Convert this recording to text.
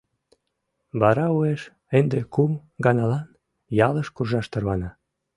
Вара уэш, ынде кум ганалан, ялыш куржаш тарвана.